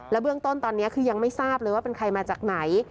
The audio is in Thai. เบื้องต้นตอนนี้คือยังไม่ทราบเลยว่าเป็นใครมาจากไหน